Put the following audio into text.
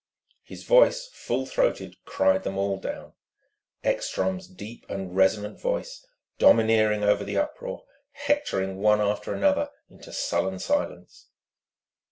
His voice, full throated, cried them all down Ekstrom's deep and resonant voice, domineering over the uproar, hectoring one after another into sullen silence.